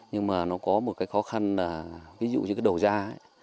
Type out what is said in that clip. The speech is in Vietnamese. nhưng mà nó có một cái khó khăn là ví dụ như cái đầu da ấy